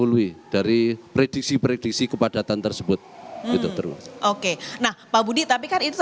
gak sama dengan itu